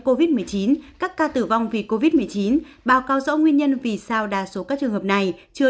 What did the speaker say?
covid một mươi chín các ca tử vong vì covid một mươi chín báo cáo rõ nguyên nhân vì sao đa số các trường hợp này chưa